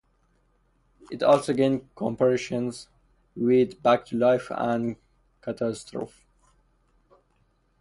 It also gained comparisons with "Back to Life" and "Catastrophe".